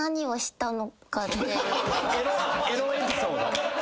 エロエピソード。